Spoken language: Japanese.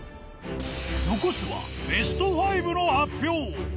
残すはベスト５の発表！